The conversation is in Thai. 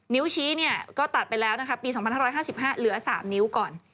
นิ้วชี้ก็ตัดไปแล้วปี๒๕๕๕เหลือ๓นิ้วก่อน